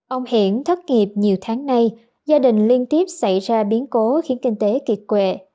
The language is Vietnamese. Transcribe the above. ông hiển thất kịp nhiều tháng nay gia đình liên tiếp xảy ra biến cố khiến kinh tế kiệt quệ